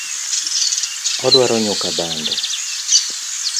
Odwaro nyuka bando